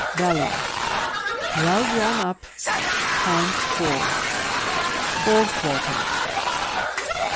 Belly. — Well drawn up. Points, 4. Fore quarters.